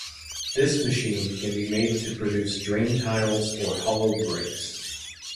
This machine can be made to produce drain tiles or hollow bricks.